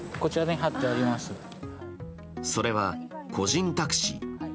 それは、個人タクシー。